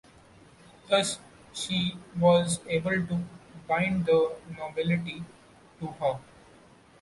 Thus she was able to bind the nobility to her.